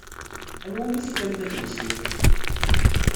Anwa umi tefkamt adlis-nni?